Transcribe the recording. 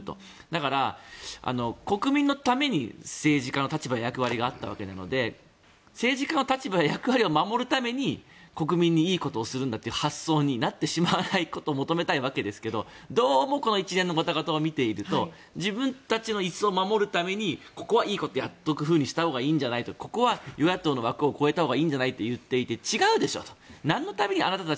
だから、国民のために政治家の立場、役割があったわけなので政治家の立場や役割を守るために国民にいいことをするんだという発想になってしまわないことを求めたいわけですけどどうもこの一連のごたごたを見ていると自分たちの椅子を守るためにここはいいことをやっておいたほうがいいんじゃないここは与野党の枠を超えたほうがいいんじゃないと言っていて違うでしょと。